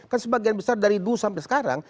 kan sebagian besar dari dulu sampai sekarang